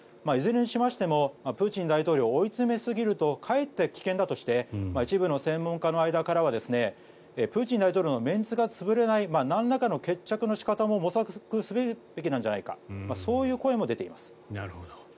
いずれにしてもプーチン大統領を追い詰めすぎるとかえって危険だとして一部の専門家の間からはプーチン大統領のメンツが潰れないなんらかの決着の仕方も模索すべきなんじゃないかそういう声も出ています。